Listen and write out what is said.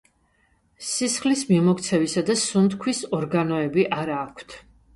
სისხლის მიმოქცევისა და სუნთქვის ორგანოები არა აქვთ.